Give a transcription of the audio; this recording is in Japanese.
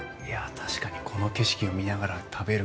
確かにこの景色を見ながら食べる